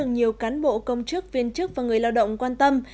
nhiều cán bộ công chức viên chức và người lao động quan tâm